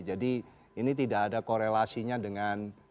ini tidak ada korelasinya dengan